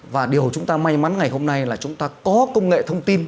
và điều chúng ta may mắn ngày hôm nay là chúng ta có công nghệ thông tin